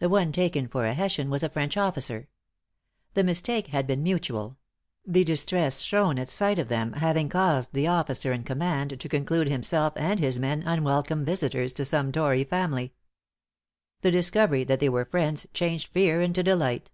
The one taken for a Hessian was a French officer. The mistake had been mutual; the distress shown at sight of them having caused the officer in command to conclude himself and his men unwelcome visitors to some tory family. The discovery that they were friends changed fear into delight.